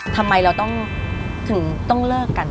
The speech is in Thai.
ทำไมเราต้องถึงต้องเลิกกัน